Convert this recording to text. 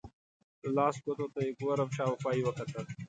د لاس ګوتو ته یې ګورم، شاوخوا یې وکتل.